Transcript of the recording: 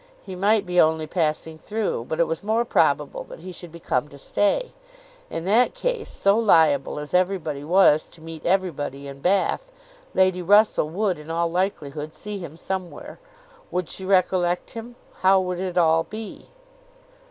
He might be only passing through. But it was more probable that he should be come to stay. In that case, so liable as every body was to meet every body in Bath, Lady Russell would in all likelihood see him somewhere. Would she recollect him? How would it all be?